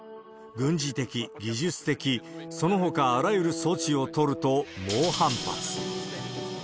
軍事的、技術的、そのほか、あらゆる措置を取ると猛反発。